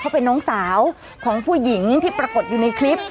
เขาเป็นน้องสาวของผู้หญิงที่ปรากฏอยู่ในคลิป